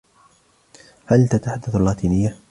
هل تتحدث اللاتينية؟